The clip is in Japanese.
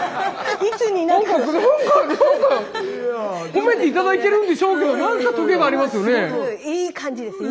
褒めて頂いてるんでしょうけどなんかトゲがありますよね。